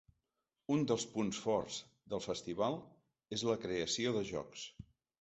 Un dels punts forts del festival és la creació de jocs.